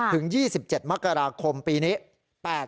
ถึง๒๗มกราคมปีนี้